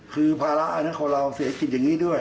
คือภาระอันนั้นของเราเศรษฐกิจอย่างนี้ด้วย